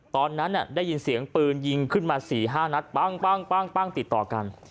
ตอนนั้นได้ยินเสียงปืนยิงขึ้นมา๔๕นัดปั้งติดต่อกัน